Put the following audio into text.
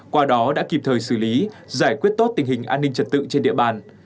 qua đó đã kịp thời xử lý giải quyết tốt tình hình an ninh trật tự trên địa bàn